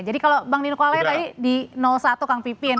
jadi kalau bang nikolai tadi di satu kang pipin